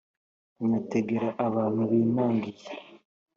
Nyategera abantu binangiye